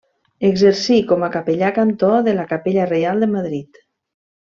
Exercí com a capellà cantor de la capella reial de Madrid.